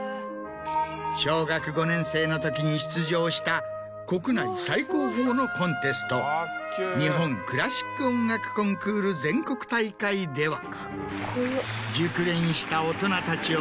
小学５年生のときに出場した国内最高峰のコンテスト「日本クラシック音楽コンクール全国大会」では。